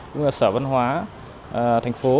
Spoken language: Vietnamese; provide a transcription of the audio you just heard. cũng là sở văn hóa thành phố